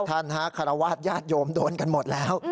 ท่านฮะคารวาสญาติโยมโดนกันหมดแล้ว